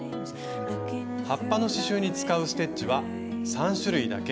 葉っぱの刺しゅうに使うステッチは３種類だけ。